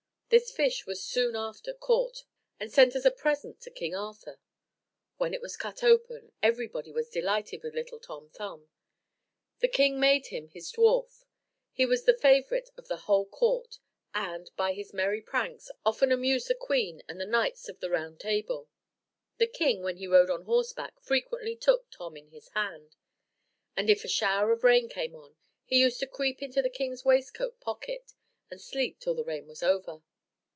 This fish was soon after caught, and sent as a present to King Arthur. When it was cut open, everybody was delighted with little Tom Thumb. The king made him his dwarf; he was the favourite of the whole court; and, by his merry pranks, often amused the queen and the knights of the Round Table. The king, when he rode on horseback, frequently took Tom in his hand; and if a shower of rain came on, he used to creep into the king's waist coat pocket, and sleep till the rain was over.